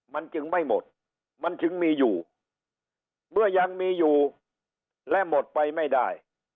มันจึงไม่หมดมันจึงมีอยู่เมื่อยังมีอยู่และหมดไปไม่ได้